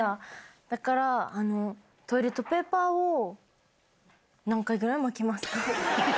だから、トイレットペーパーを何回ぐらい巻きますか？